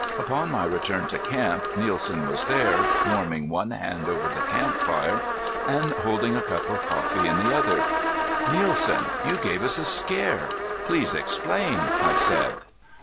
Upon my return to camp Nielsen was there, warming one hand over the camp fire and holding a cup of coffee in the other. "Nielsen, you gave us a scare. Please explain," I said.